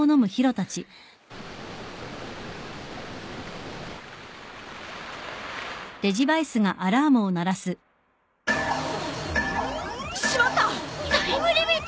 タイムリミット！？